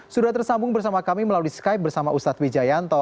sudah tersambung bersama kami melalui skype bersama ustadz wijayanto